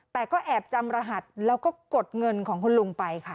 แต่ก็แอบจำรหัสแล้วก็กดเงินของคุณลุงไปค่ะ